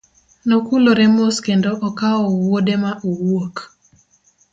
Nokulore mos kendo okawo wuode ma owuok.